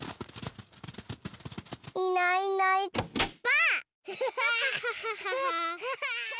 いないいないばあっ！